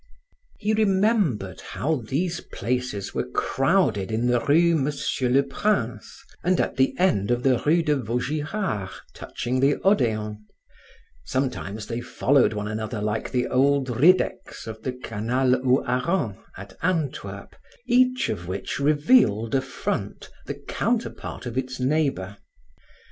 He remembered how these places were crowded in the rue Monsieur le Prince and at the end of the rue de Vaugirard, touching the Odeon; sometimes they followed one another like the old riddecks of the Canal aux Harengs, at Antwerp, each of which revealed a front, the counterpart of its neighbor.